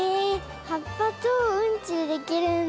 はっぱとうんちでできるんだ。